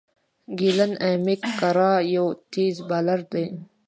گلين میک ګرا یو تېز بالر وو.